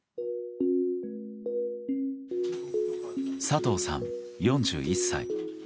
佐藤さん、４１歳。